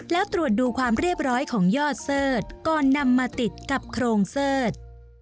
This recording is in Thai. แล้วตรวจดูความเรียบร้อยของยอดเสิร์ธก่อนนำมาติดกับโครงเสิร์ช